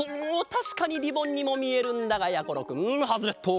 たしかにリボンにもみえるんだがやころくんハズレット！